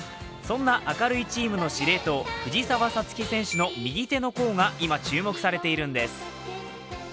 そんな明るいチームの司令塔・藤澤五月選手の右手の甲が今、注目されているんです。